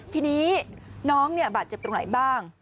ทีนี้น้องบาดเจ็บตรงไหนบ้าง